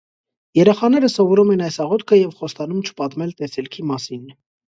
Երեխաները սովորում են այս աղոթքը և խոստանում չպատմել տեսիլքի մասին։